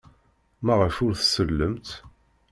Maɣef ur tsellemt?